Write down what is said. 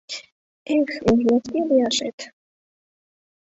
Эх, меж носки лияшет...